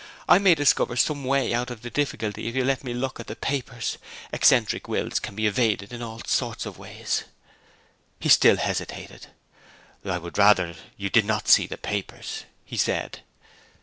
I may discover some way out of the difficulty if you let me look at the papers. Eccentric wills can be evaded in all sorts of ways.' Still he hesitated. 'I would rather you did not see the papers,' he said.